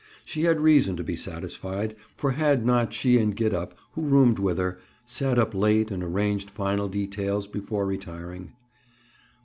She had reason to be satisfied, for had not she and Gid up, who roomed with her, sat up late and arranged final details before retiring?